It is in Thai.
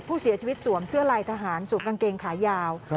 ผู้เสียชีวิตสวมเสื้อลายทหารสูบกางเกงขายาว